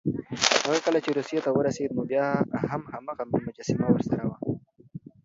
هغه کله چې روسيې ته ورسېد، نو بیا هم هماغه مجسمه ورسره وه.